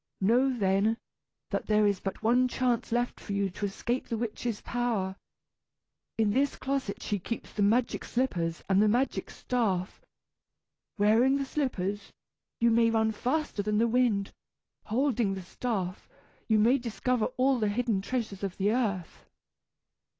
Know, then, that there is but one chance left for you to escape the witch's power. In this closet she keeps the magic slippers and the magic staff. Wearing the slippers, you may run faster than the wind; holding the staff, you may discover all the hidden treasures of the earth."